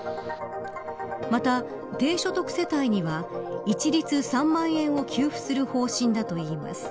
また、低所得世帯には一律３万円を給付する方針だといいます。